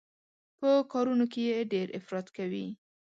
په کارونو کې يې ډېر افراط کوي.